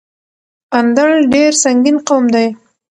اندړ ډير سنګين قوم دی